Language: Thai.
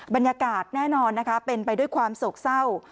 บรรยากาศแน่นอนนะคะเป็นไปด้วยความโศกเศร้า